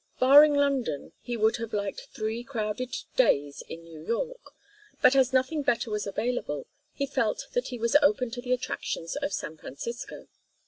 Barring London he would have liked three crowded days in New York, but as nothing better was available he felt that he was open to the attractions of San Francisco.